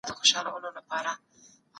دا خبري زموږ څېړنه معیاري کوي.